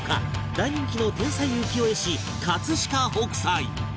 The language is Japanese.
大人気の天才浮世絵師飾北斎